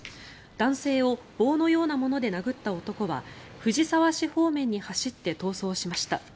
男性を棒のようなもので殴った男は藤沢市方面に走って逃走しました。